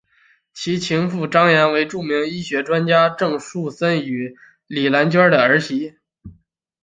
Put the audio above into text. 其情妇张琰为著名医学专家郑树森与李兰娟的儿媳。